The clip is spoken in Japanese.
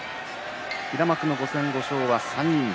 平幕の５戦５勝は３人。